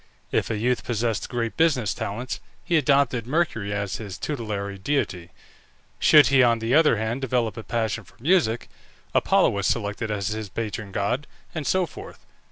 If a youth possessed great business talents he adopted Mercury as his tutelary deity; should he, on the other hand, develop a passion for music, Apollo was selected as his patron god, and so forth.